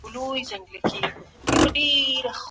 افغان ډیپلوماټان د سولي په نړیوالو خبرو کي برخه نه لري.